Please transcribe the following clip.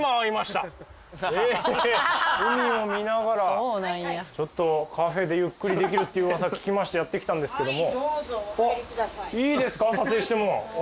海を見ながらカフェでゆっくりできるって噂聞きましてやって来たんですけども。